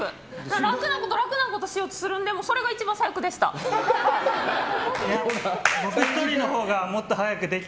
楽なこと、楽なことをしようとするのでそれが一番最悪でした！